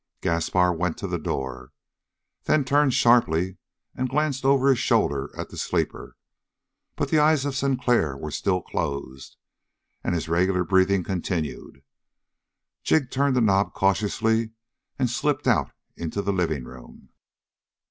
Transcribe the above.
Gaspar went to the door, then turned sharply and glanced over his shoulder at the sleeper; but the eyes of Sinclair were still closed, and his regular breathing continued. Jig turned the knob cautiously and slipped out into the living room.